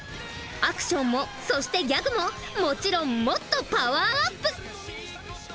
アクションもそしてギャグももちろんもっとパワーアップ！